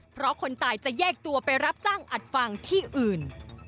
เพราะคนตายจะแยกตัวไปรับจ้างอัดฟังที่อื่น